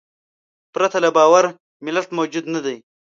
پرته له باور ملت موجود نهدی.